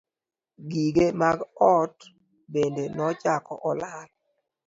Gige mag ot bende nochako lal.